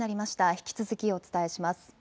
引き続きお伝えします。